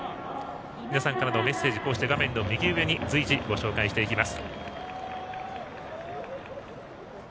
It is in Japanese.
皆さんからのメッセージは画面右上に随時ご紹介していきます。